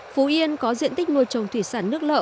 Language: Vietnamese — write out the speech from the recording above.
phú yên có diện tích nuôi trồng thủy sản nước lợi